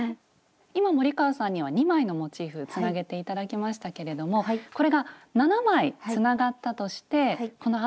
今森川さんには２枚のモチーフつなげて頂きましたけれどもこれが７枚つながったとしてこのあとはどうなるんでしょうか？